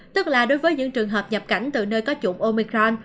tức là đối với những trường hợp nhập cảnh từ nơi có chủng omicron